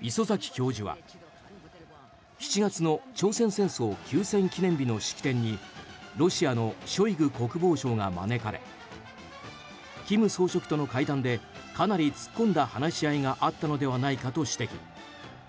礒崎教授は、７月の朝鮮戦争休戦記念日の式典にロシアのショイグ国防相が招かれ金総書記との会談でかなり突っ込んだ話し合いがあったのではないかと指摘。